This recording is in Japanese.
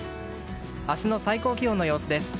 明日の最高気温の様子です。